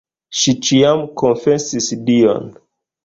Ŝi ĉiam konfesis dion.